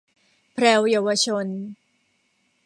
แพรวเยาวชน